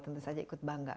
tentu saja ikut bangga